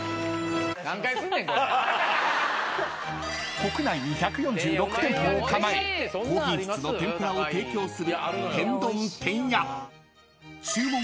［国内に１４６店舗を構え高品質の天ぷらを提供する］